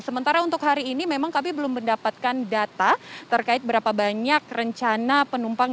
sementara untuk hari ini memang kami belum mendapatkan data terkait berapa banyak rencana penumpang